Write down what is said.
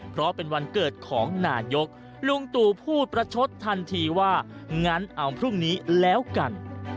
เพราะเป็นวันเกิดของนายกลุงตู่พูดประชดทันทีว่างั้นเอาพรุ่งนี้แล้วกัน